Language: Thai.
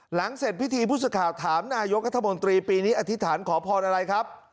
หลังเสร็จพิธีพุทธคาถามนายกระทะมนตรีปีนี้อธิษฐานขอพรอะไรครับ